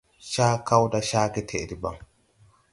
Cakaw da ca getɛʼ debaŋ.